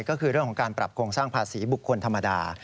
ก็คือเรื่องของการปรับโครงสร้างภาษีบุคคลธรรมดา